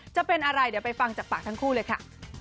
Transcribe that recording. จะเป็นอะไรเดี๋ยวไปฟังจากปากทั้งคู่เลยค่ะ